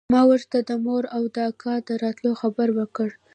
ما ورته د مور او د اکا د راتلو خبره وکړه.